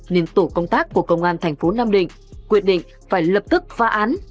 nên tổ công tác của công an thành phố nam định quyết định phải lập tức phá án